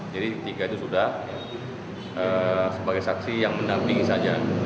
jadi tiga itu sudah sebagai saksi yang mendampingi saja